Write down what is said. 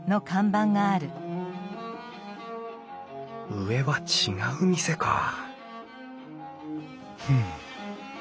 上は違う店かふん。